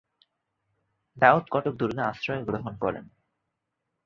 দাউদ কটক দুর্গে আশ্রয় গ্রহণ করেন।